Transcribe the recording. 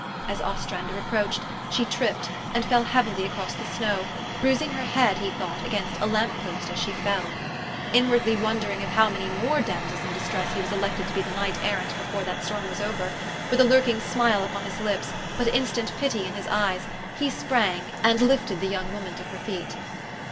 As Ostrander approached, she tripped, and fell heavily across the snow, bruising her head, he thought, against a lamp post as she fell. Inwardly wondering of how many more damsels in distress he was elected to be the knight errant before that storm was over, with a lurking smile upon his lips, but instant pity in his eyes, he sprang, and lifted the young woman to her feet.